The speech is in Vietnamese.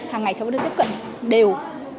hàng ngày cháu vẫn được tiếp cận đều